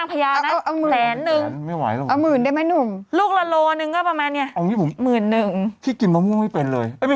อ๋อเพราะว่าพี่หนุ่มกินทุเรียนเลย